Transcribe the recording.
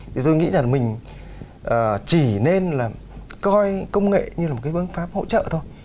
thì tôi nghĩ là mình chỉ nên là coi công nghệ như là một cái phương pháp hỗ trợ thôi